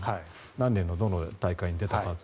何年の、どの大会に出たかは。